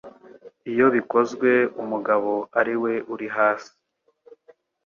Iyo bikozwe umugabo ari we uri hasi